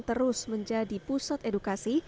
terus menjadi pusat edukasi